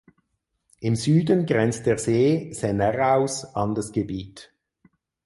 Im Süden grenzt der See "The Narrows" an das Gebiet.